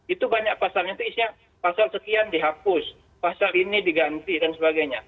itu banyak pasalnya itu isinya pasal sekian dihapus pasal ini diganti dan sebagainya